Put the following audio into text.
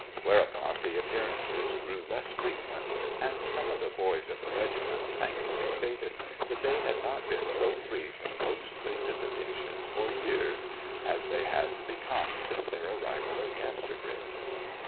Whereupon the appearances grew less frequent, and some of the Boys of the regiment thankfully stated that they had not been so free from ghostly visitation for years as they had become since their arrival in Casterbridge.